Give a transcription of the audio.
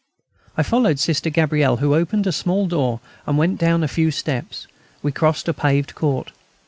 I followed Sister Gabrielle, who opened a small door, and went down a few steps; we crossed a paved court.